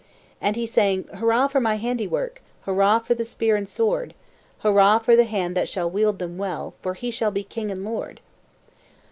And he sang "Hurrah for my handiwork! Hurrah for the spear and sword! Hurrah for the hand that shall wield them well, For he shall be king and lord!"